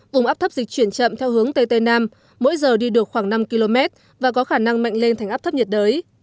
vùng áp thấp dịch chuyển chậm theo hướng tây tây nam mỗi giờ đi được khoảng năm km và có khả năng mạnh lên thành áp thấp nhiệt đới